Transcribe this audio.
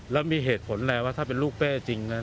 แล้วมีเหตุผลแล้วว่าถ้าเป็นลูกเป้จริงนะ